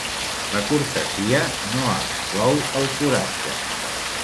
La cortesia no exclou el coratge.